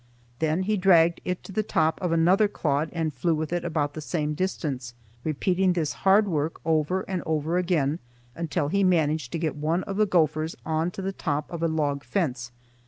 Then he dragged it to the top of another clod and flew with it about the same distance, repeating this hard work over and over again until he managed to get one of the gophers on to the top of a log fence.